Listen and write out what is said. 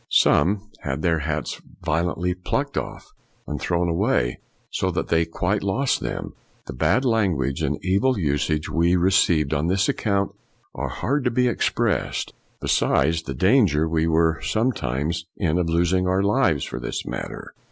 Some had their hats violently plucked off and thrown away, so that they quite lost them. The bad language and evil usage we re ceived on this account are hard to be ex pressed, besides the danger we were some times in of losing our lives for this matter."